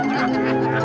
bukan bukan bukan